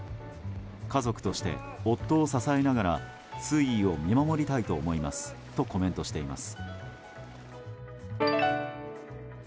家族として夫を支えながら推移を見守りたいと思いますとコメントしています。